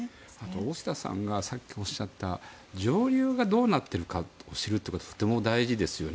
大下さんがさっきおっしゃった上流がどうなっているかを知るというのはとても大事ですよね。